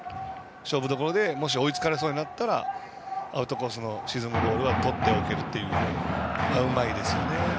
勝負どころで追いつかれそうになったらアウトコースの沈むボールはとっておけると、うまいですね。